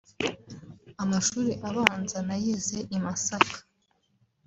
Amashuli abanza nayize i Masaka